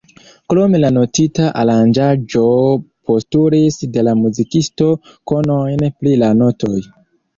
Krome la notita aranĝaĵo postulis de la muzikisto konojn pri la notoj.